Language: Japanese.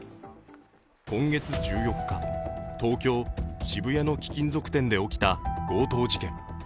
今月１４日、東京・渋谷の貴金属店で起きた強盗事件。